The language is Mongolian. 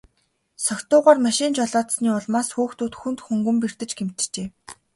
Согтуугаар машин жолоодсоны улмаас хүүхдүүд хүнд хөнгөн бэртэж гэмтжээ.